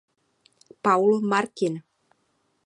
Paul Martin.